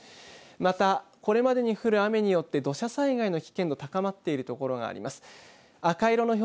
また、これまでに降る雨によって土砂災害の危険度が高まっている所があります。